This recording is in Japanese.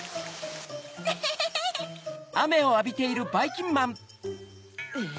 エヘヘヘ！え？